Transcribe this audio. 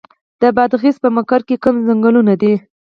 د بادغیس په مقر کې کوم ځنګلونه دي؟